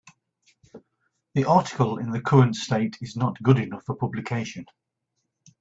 The article in the current state is not good enough for publication.